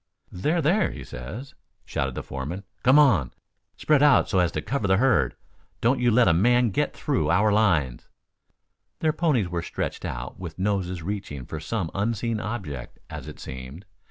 "They're there, he says," shouted the foreman. "Come on. Spread out so as to cover the herd. Don't you let a man get through our lines." Their ponies were stretched out with noses reaching for some unseen object, as it seemed.